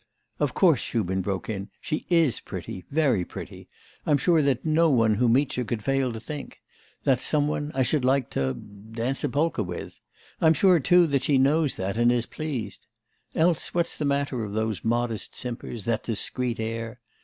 'Of course,' Shubin broke in, 'she is pretty, very pretty; I am sure that no one who meets her could fail to think: that's some one I should like to dance a polka with; I'm sure, too, that she knows that, and is pleased.... Else, what's the meaning of those modest simpers, that discreet air?